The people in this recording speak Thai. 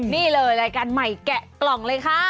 นี่เลยรายการใหม่แกะกล่องเลยค่ะ